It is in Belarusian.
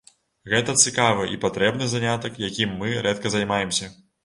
Гэта цікавы і патрэбны занятак, якім мы рэдка займаемся.